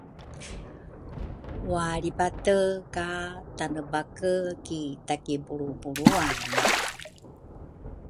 walribate ka Tanebake ki takibulrubulrune.